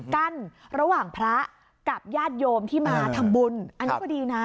กั้นระหว่างพระกับญาติโยมที่มาทำบุญอันนี้ก็ดีนะ